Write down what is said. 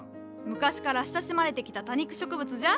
昔から親しまれてきた多肉植物じゃ。